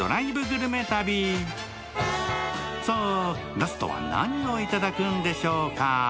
ラストは何をいただくんでしょうか？